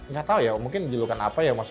gak tau ya mungkin julukan apa ya